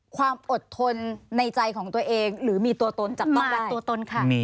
ความอดทนในใจของตัวเองหรือมีตัวตนจะต้องวัดตัวตนค่ะ